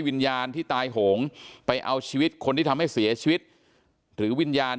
วิญญาณที่ตายโหงไปเอาชีวิตคนที่ทำให้เสียชีวิตหรือวิญญาณ